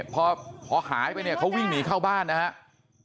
พอหายไปเนี่ยเขาวิ่งหนีเข้าบ้านนะครับ